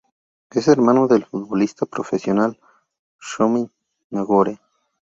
Es hermano del futbolista profesional Txomin Nagore.